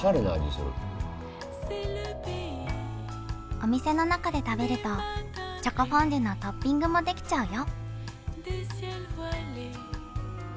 お店の中で食べると、チョコフォンデュのトッピングもできちゃうよ。